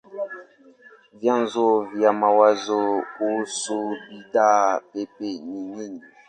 Vyanzo vya mawazo kuhusu bidhaa pepe ni nyingi.